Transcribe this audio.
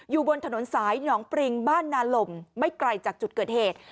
อยู่บนถนนสายหนองปริงบ้านนาลมไม่ไกลจากจุดเกิดเหตุ